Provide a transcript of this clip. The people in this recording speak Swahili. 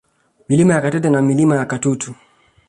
Milima ya Katete na Milima ya Katutu